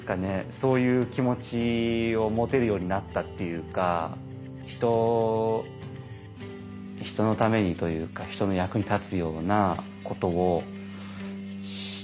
そういう気持ちを持てるようになったっていうか人のためにというかはじめまして。